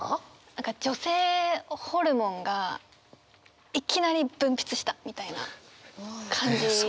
何か女性ホルモンがいきなり分泌したみたいな感じ。